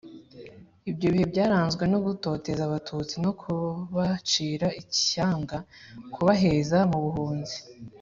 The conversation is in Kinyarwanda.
Ibyo bihe byaranzwe no gutoteza abatutsi no kubacira ishyanga kubaheza mu buhunzi